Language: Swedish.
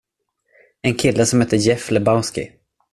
En kille som hette Jeff Lebowski.